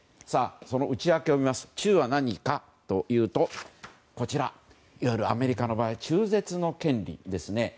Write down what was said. その内訳を見ますと「中」は何かというといわゆるアメリカの場合中絶の権利ですね。